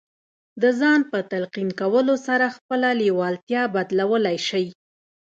د ځان په تلقين کولو سره خپله لېوالتیا بدلولای شئ.